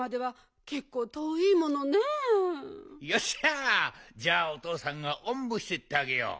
よっしゃじゃおとうさんがおんぶしてってあげよう。